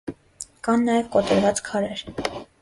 Կան նաև կոտրված քարեր։